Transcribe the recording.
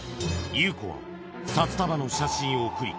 Ｕ子は札束の写真を送り